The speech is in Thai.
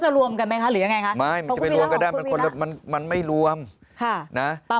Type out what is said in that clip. จะรวมกันไหมค่ะหรือยังไงค่ะไม่มันไม่รวมค่ะน่ะป่า